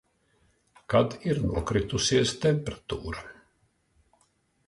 Kad ir nokritusies temperatūra.